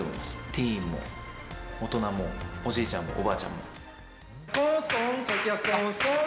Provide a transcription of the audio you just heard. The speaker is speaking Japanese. ティーンも、大人も、おじいちゃんも、おばあちゃんも。